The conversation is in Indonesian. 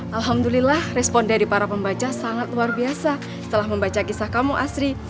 alhamdulillah respon dari para pembaca sangat luar biasa setelah membaca kisah kamu asri